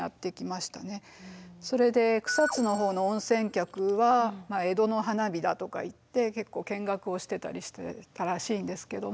それで草津の方の温泉客は「江戸の花火だ」とか言って結構見学をしてたりしていたらしいんですけども。